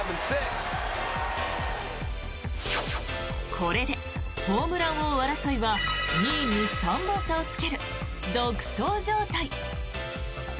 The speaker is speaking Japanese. これでホームラン王争いは２位に３本差をつける独走状態。